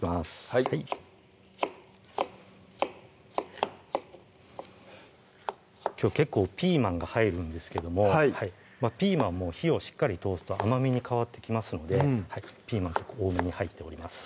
はいきょう結構ピーマンが入るんですけどもピーマンも火をしっかり通すと甘みに変わってきますのでピーマン多めに入っております